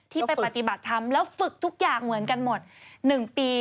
ที่ไปปฏิบัติธรรมแล้วฝึกทุกอย่างเหมือนกันหมด๑ปี